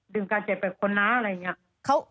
ดื่มการเจ็บแบบคนน้ำอะไรอย่างนี้